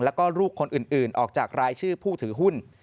แล้วก็ลูกคนอื่นออกจากรายชื่อผู้ถือหุ้น